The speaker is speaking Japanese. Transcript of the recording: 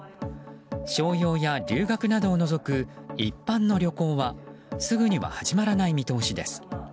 商用や留学などを除く一般の旅行はすぐには始まらない見通しです。